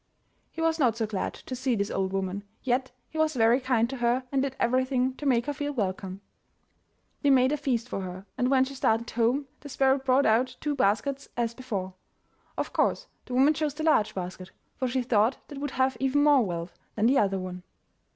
He was not so glad to see this old woman, yet he was very kind to her and did everything to make her feel welcome. They made a feast for her, and when she started home the sparrow brought out two baskets as before. Of course the woman chose the large bas ket, for she thought that would have even more wealth than the other one.